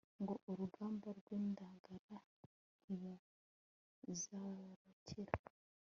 ngo urugamba rw'indagara ntibazarukira